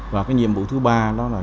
và nhiệm vụ thứ ba là